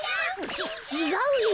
ちちがうよ。